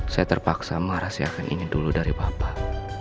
saya terpaksa merahasiakan ini dulu dari bapak